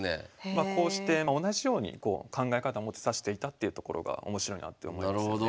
まあこうして同じように考え方持って指していたっていうところが面白いなって思いますよね。